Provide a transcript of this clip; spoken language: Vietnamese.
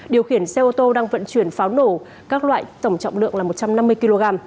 điều khiển xe ô tô đang vận chuyển pháo nổ các loại tổng trọng lượng là một trăm năm mươi kg